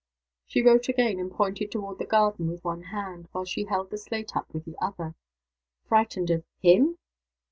She wrote again, and pointed toward the garden with one hand, while she held the slate up with the other: "Frightened of _him?